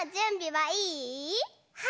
はい！